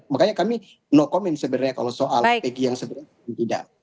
makanya kami no comming sebenarnya kalau soal egy yang sebenarnya tidak